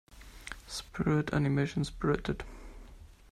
Spirit animation Spirited.